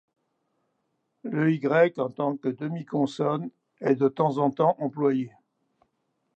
Le y, en tant que demi-consonne, est de temps en temps employé.